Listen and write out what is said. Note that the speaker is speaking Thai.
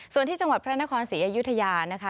ส่วนที่จังหวัดพระนครศรีอยุธยานะคะ